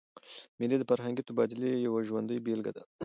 مېلې د فرهنګي تبادلې یوه ژوندۍ بېلګه ده.